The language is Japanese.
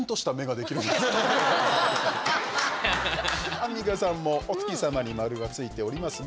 アンミカさんもお月様に丸がついておりますが。